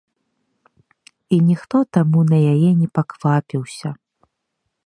І ніхто таму на яе не паквапіўся.